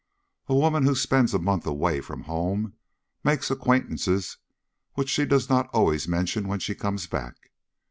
A woman who spends a month away from home makes acquaintances which she does not always mention when she comes back.